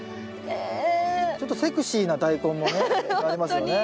ちょっとセクシーなダイコンもね。ありますよね。